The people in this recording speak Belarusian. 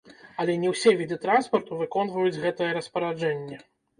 Але не ўсе віды транспарту выконваюць гэтае распараджэнне.